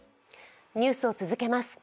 ニュースを続けます。